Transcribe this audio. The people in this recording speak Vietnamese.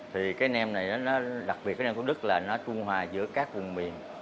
thì cái nem này đặc biệt cái nem thủ đức là nó trung hòa giữa các vùng miền